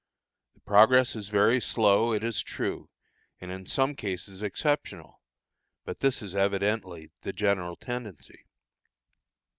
The progress is very slow, it is true, and in some cases exceptional, but this is evidently the general tendency.